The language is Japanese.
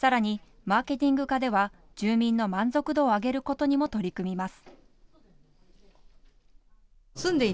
さらに、マーケティング課では住民の満足度を上げることにも取り組みます。